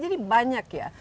jadi banyak ya